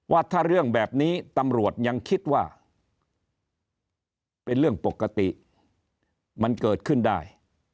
ว่าถ้าเรื่องแบบนี้ตำรวจยังคิดว่าเป็นเรื่องปกติมันเกิดขึ้นได้